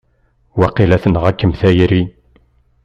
Waqila tenɣa-kem tayri!